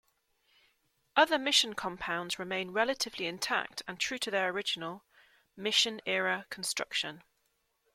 Other mission compounds remain relatively intact and true to their original, Mission Era construction.